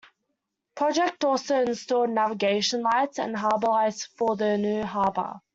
Project also installed navigation lights and harbor lights for the new harbor.